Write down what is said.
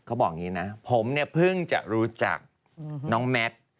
เขาบอกอย่างนี้นะผมเนี่ยเพิ่งจะรู้จักน้องแมท